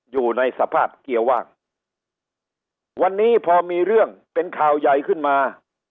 อยู่ในสภาพเกียร์ว่างวันนี้พอมีเรื่องเป็นข่าวใหญ่ขึ้นมา